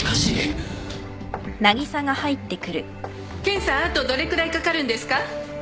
検査あとどれくらいかかるんですか？